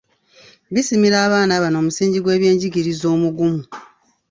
Bisimira abaana bano omusingi gw’ebyenjigiriza omugumu.